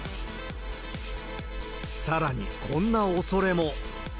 さらに、こんなおそれも。